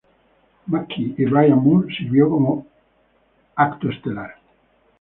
McKee y Brian Moore sirvió como evento estelar.